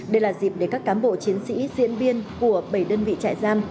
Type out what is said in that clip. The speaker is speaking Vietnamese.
đây là dịp để các cán bộ chiến sĩ diễn viên của bảy đơn vị trại giam